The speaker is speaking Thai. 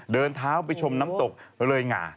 เดินเท้าไปชมน้ำตกเลยหงา